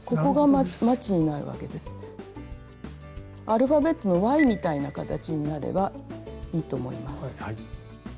アルファベットのＹみたいな形になればいいと思います。